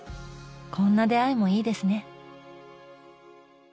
こんな出会いもいいですね。